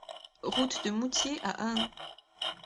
Route du Moutier à Ahun